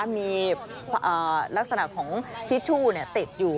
มีลักษณะของทิชชู่ติดอยู่